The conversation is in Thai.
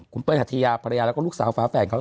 คุณเป้ยหัทยาภรรยาแล้วก็ลูกสาวฟ้าแฝดเขา